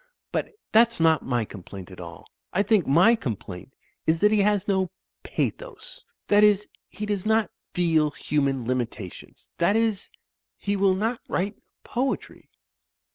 But that's not my complaint at all. I think my complaint is that he has no pathos. That is, he does not feel human limitations. That is, he will not write poetry."